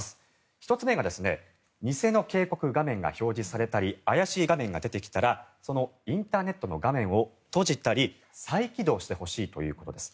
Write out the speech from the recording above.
１つ目が偽の警告画面が表示されたり怪しい画面が出てきたらそのインターネットの画面を閉じたり再起動してほしいということです。